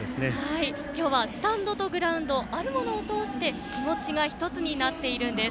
今日はスタンドとグラウンドあるものを通して気持ちが１つになっているんです。